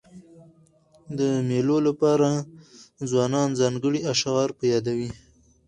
د مېلو له پاره ځوانان ځانګړي اشعار په یادوي.